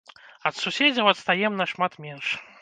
Ад суседзяў адстаем нашмат менш.